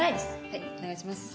はいお願いします。